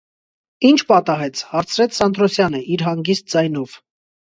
- Ի՞նչ պատահեց,- հարցրեց Սանթրոսյանը, իր հանգիստ ձայնով: